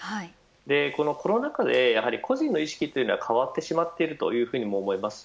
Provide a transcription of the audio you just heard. このコロナ禍で個人の意識は変わってしまっているというふうにも思います。